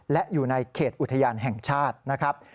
และอยู่ในเขตอุทยานแห่งชาตินะครับ